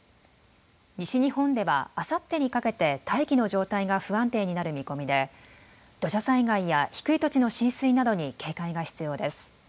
西日本ではあさってにかけて大気の状態が不安定になる見込みで土砂災害や低い土地の浸水などに警戒が必要です。